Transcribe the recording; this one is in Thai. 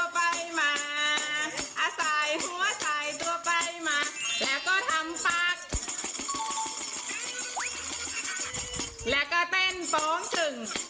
ป้องป้อง